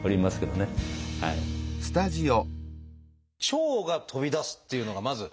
腸が飛び出すっていうのがまず